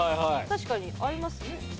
確かに合いますね。